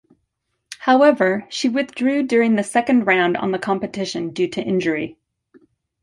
However, she withdrew during the second round on the competition due to injury.